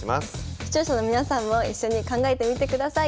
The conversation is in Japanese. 視聴者の皆さんも一緒に考えてみてください。